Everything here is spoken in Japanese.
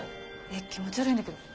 え気持ち悪いんだけど。